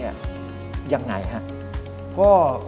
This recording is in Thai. ยังไงครับ